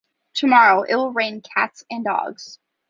Tomorrow, it will rain cats and dogs.